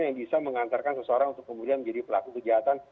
yang bisa mengantarkan seseorang untuk kemudian menjadi pelaku kejahatan